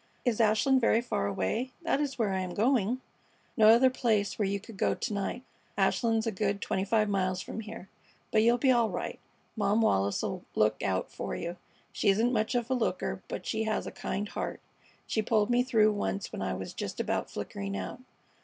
Is Ashland very far away? That is where I am going." "No other place where you could go to night. Ashland's a good twenty five miles from here. But you'll be all right. Mom Wallis 'll look out for you. She isn't much of a looker, but she has a kind heart. She pulled me through once when I was just about flickering out.